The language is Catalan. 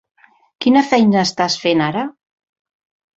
Quina feina estàs fent ara?